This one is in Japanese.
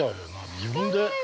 自分で。